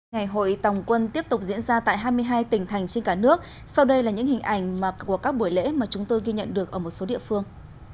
ngày hội tòng quân tiếp tục diễn ra tại hai mươi hai tỉnh thành trên cả nước sau đây là những hình ảnh của các buổi lễ mà chúng tôi ghi nhận được ở một số địa phương